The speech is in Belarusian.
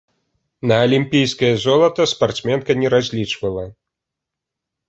На алімпійскае золата спартсменка не разлічвала.